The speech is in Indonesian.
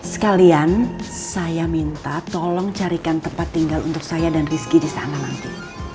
sekalian saya minta tolong carikan tempat tinggal untuk saya dan rizky di sana nanti